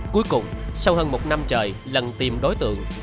cuối cùng sau hơn một năm trời lần tìm đối tượng